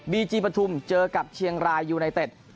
จีปฐุมเจอกับเชียงรายยูไนเต็ด